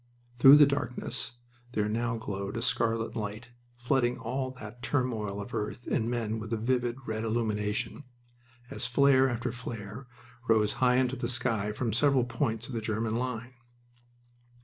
Through the darkness there now glowed a scarlet light, flooding all that turmoil of earth and men with a vivid, red illumination, as flare after flare rose high into the sky from several points of the German line.